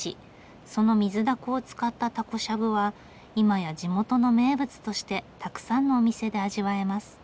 そのミズダコを使ったタコしゃぶは今や地元の名物としてたくさんのお店で味わえます。